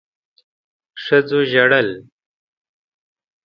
ښځو ژړل.